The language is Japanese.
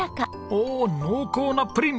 おお濃厚なプリン！